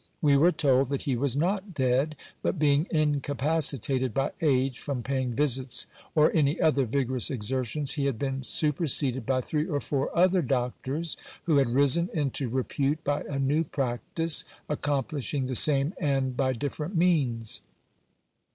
We were told that he was not dead ; but being incapacitated by age from paying visits or any other vigorous exertions, he had been superseded by three or four other doctors who had risen into repute by a new practice, accomplishing the same end by different means.